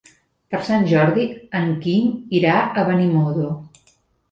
Per Sant Jordi en Quim irà a Benimodo.